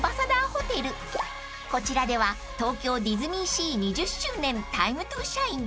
［こちらでは「東京ディズニーシー２０周年：タイム・トゥ・シャイン！」